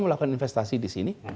melakukan investasi di sini